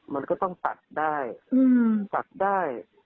มันก็ต้องตัดได้